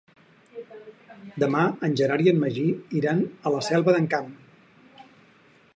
Demà en Gerard i en Magí iran a la Selva del Camp.